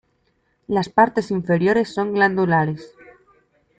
Las partes inferiores son glandulares.